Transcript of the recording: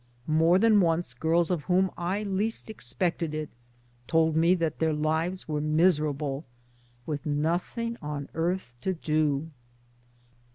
More than once girls of whom I least expected it told me that their lives were miserable " with nothing on earth to do."